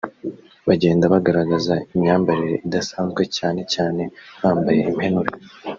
bagenda bagaragaza imyambarire idasanzwe cyane cyane bambaye impenure